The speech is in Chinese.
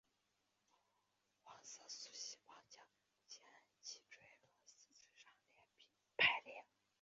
黄色素细胞将沿脊椎和四肢上端排列。